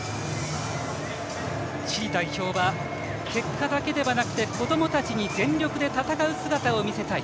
チリ代表は、結果だけではなくて子どもたちに全力で戦う姿を見せたい。